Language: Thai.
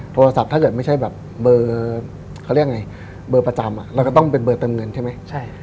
โทรศัพท์ถ้าเกิดไม่ใช่แบบเบอร์ประจำเราต้องเป็นเบอร์เติมเงินใช่ไหม